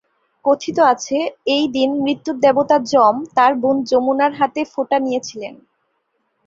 কথিত আছে, এই দিন মৃত্যুর দেবতা যম তার বোন যমুনার হাতে ফোঁটা নিয়েছিলেন।